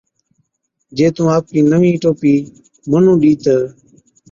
جي تُون آپڪِي نَوِين ٽوپِي مُنُون ڏِي تہ،